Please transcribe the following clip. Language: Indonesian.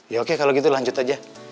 ya oke kalau gitu lanjut aja